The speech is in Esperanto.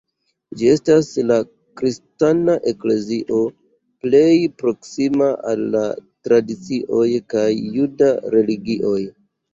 Ĝi estas la kristana eklezio plej proksima al la tradicioj kaj juda religioj.